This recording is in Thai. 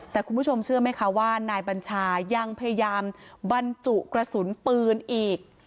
แต่คุณผู้ชมเชื่อไหมคะว่านายบัญชายังพยายามบรรจุกระสุนปืนอีก